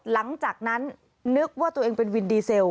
หลังจากนั้นนึกว่าตัวเองเป็นวินดีเซล